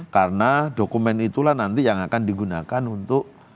karena dokumen itulah nanti yang akan digunakan untuk